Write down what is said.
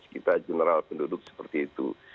kita general penduduk seperti itu